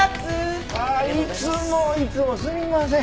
いつもいつもすみません。